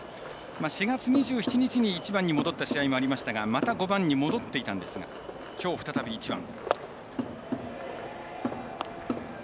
４月２７日に１番に戻った試合もありましたがまた５番に戻っていたんですがきょう再び１番。